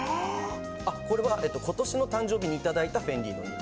これは今年の誕生日に頂いたフェンディの。